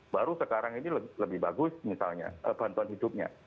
baru sekarang ini lebih bagus misalnya bantuan hidupnya